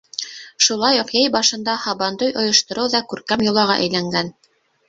Шулай уҡ йәй башында һабантуй ойоштороу ҙа күркәм йолаға әйләнгән.